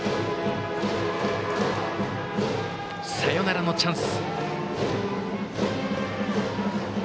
サヨナラのチャンス。